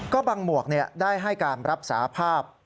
ก็บางหมวกได้ให้การรับสาภาพ